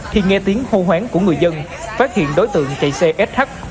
khi nghe tiếng hô hoán của người dân phát hiện đối tượng chạy xe sh